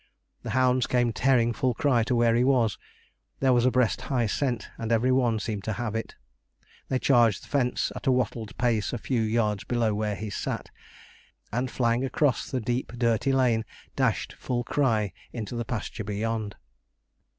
The hounds came tearing full cry to where he was; there was a breast high scent, and every one seemed to have it. They charged the fence at a wattled pace a few yards below where he sat, and flying across the deep dirty lane, dashed full cry into the pasture beyond.